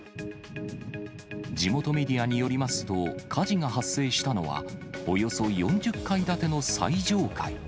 地元メディアによりますと、火事が発生したのは、およそ４０階建ての最上階。